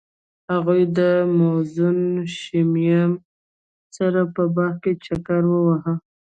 هغوی د موزون شمیم سره په باغ کې چکر وواهه.